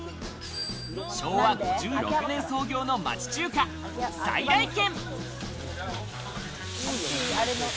昭和５６年創業の町中華、菜来軒。